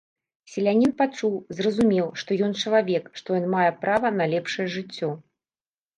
Селянін пачуў, зразумеў, што ён чалавек, што ён мае права на лепшае жыццё.